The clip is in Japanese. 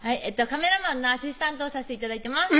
カメラマンのアシスタントをさせて頂いてます